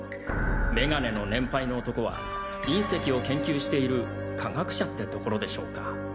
メガネの年配の男は隕石を研究している科学者ってところでしょうか。